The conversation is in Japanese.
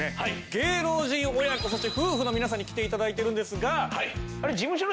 芸能人親子そして夫婦の皆さんに来て頂いてるんですが。